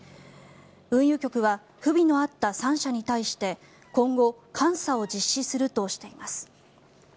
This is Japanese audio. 運輸局は不備のあった３社に対して今後、監査を実施するとしています。